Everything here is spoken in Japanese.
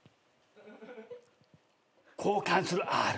交換するあーる。